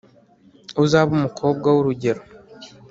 Uzabe umukobwa w’urugero